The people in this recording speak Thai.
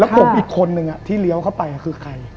ผมอีกคนนึงที่เลี้ยวเข้าไปคือใคร